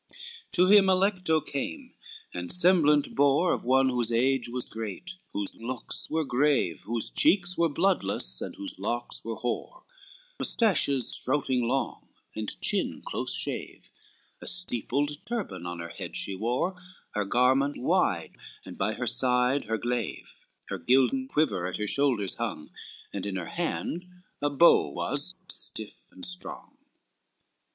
VIII To him Alecto came, and semblant bore Of one whose age was great, whose looks were grave, Whose cheeks were bloodless, and whose locks were hoar Mustaches strouting long and chin close shave, A steepled turban on her head she wore, Her garment wide, and by her side, her glaive, Her gilden quiver at her shoulders hung, And in her hand a bow was, stiff and strong.